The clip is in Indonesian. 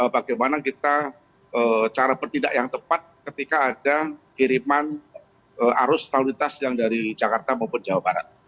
bagaimana kita cara bertindak yang tepat ketika ada kiriman arus lalu lintas yang dari jakarta maupun jawa barat